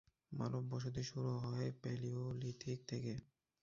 মানব বসতি শুরু হয় প্যালিওলিথিক থেকে।